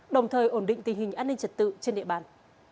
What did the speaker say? đồng thời ổn định tình hình an ninh trật tự trên địa bàn